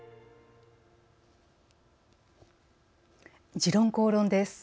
「時論公論」です。